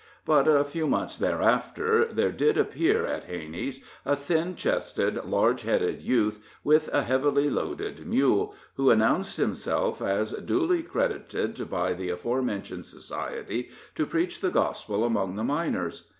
But a few months thereafter there did appear at Hanney's a thin chested, large headed youth, with a heavily loaded mule, who announced himself as duly accredited by the aforementioned society to preach the Gospel among the miners.